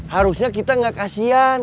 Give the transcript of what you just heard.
harusnya kita gak kasihan